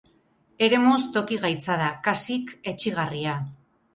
Eremuz toki gaitza da, kasik etsigarria!